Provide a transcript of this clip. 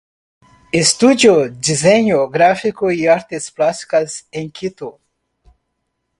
Estudió diseño gráfico y artes plásticas en Quito.